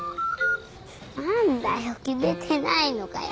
何だよ決めてないのかよ。